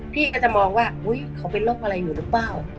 พี่ก็จะมองว่าเขาเป็นโรคอะไรอยู่หรือเปล่า